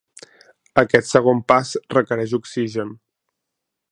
Aquest segon pas requereix oxigen.